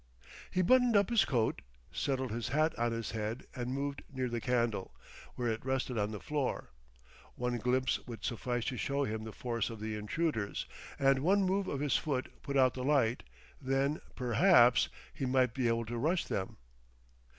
He buttoned up his coat, settled his hat on his head, and moved near the candle, where it rested on the floor. One glimpse would suffice to show him the force of the intruders, and one move of his foot put out the light; then perhaps he might be able to rush them.